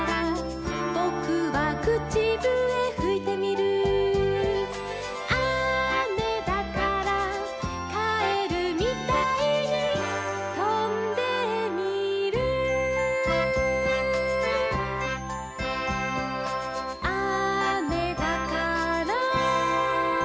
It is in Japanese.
「ぼくはくちぶえふいてみる」「あめだから」「かえるみたいにとんでみる」「あめだから」